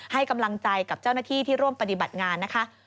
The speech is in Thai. ให้กำลังใจกับเจ้าหน้าที่ที่ร่วมปฏิบัติงานนะคะ